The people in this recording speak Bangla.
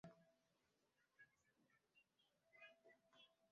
কার্টার মিচেলের প্রতিভার প্রশংসা করেন।